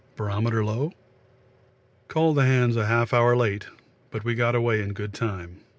Barometer low? Called the hands half an hour late, but we got away in good time.